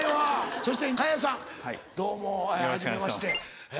そして嘉屋さんどうもはじめまして。